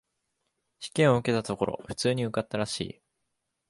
試験を受けたところ、普通に受かったらしい。